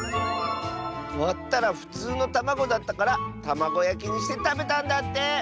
わったらふつうのたまごだったからたまごやきにしてたべたんだって！